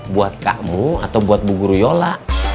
buat kamu atau bu yola